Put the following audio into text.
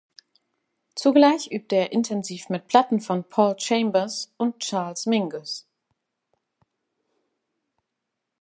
Zugleich übte er intensiv mit Platten von Paul Chambers und Charles Mingus.